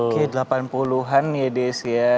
oke delapan puluh an ya des ya